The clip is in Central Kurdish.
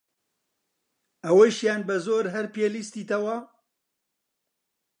ئەوەیشیان بە زۆر هەر پێ لستیتەوە!